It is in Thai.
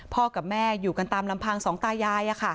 กับแม่อยู่กันตามลำพังสองตายาย